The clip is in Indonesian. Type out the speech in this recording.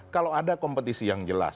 kalau ada kompetisi yang jelas